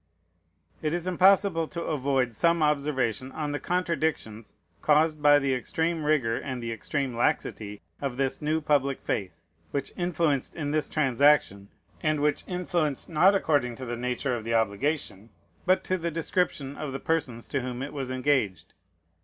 It is impossible to avoid some observation on the contradictions, caused by the extreme rigor and the extreme laxity of this new public faith, which influenced in this transaction, and which influenced not according to the nature of the obligation, but to the description of the persons to whom it was engaged.